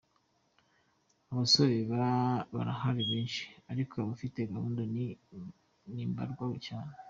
Abasore barahari benshi ariko abafite gahunda ni mbarwa cyane.